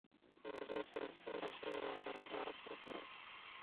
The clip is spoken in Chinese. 母亲是侧室阿波局。